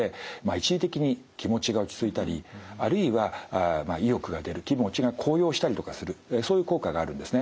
一時的に気持ちが落ち着いたりあるいは意欲が出る気持ちが高揚したりとかするそういう効果があるんですね。